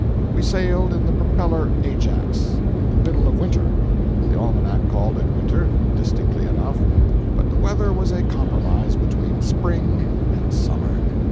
We sailed in the propeller Ajax, in the middle of winter. The almanac called it winter, distinctly enough, but the weather was a compromise between spring and summer.